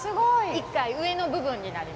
１階上の部分になります。